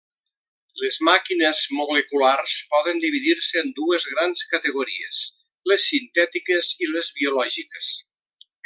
Les màquines moleculars poden dividir-se en dues grans categories: les sintètiques i les biològiques.